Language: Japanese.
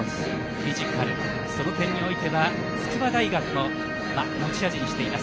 フィジカルの点においては筑波大学も持ち味にしています。